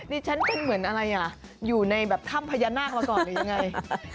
นี่ฉันเป็นเหมือนอะไรอ่ะอยู่ในแบบถ้ำพญานาคมาก่อนหรือยังไง